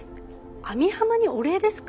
網浜にお礼ですか？